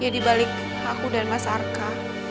ya di balik aku dan mas arka